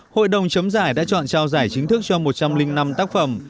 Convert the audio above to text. hội đồng chấm giải đã chọn trao giải chính thức cho một trăm linh năm tác phẩm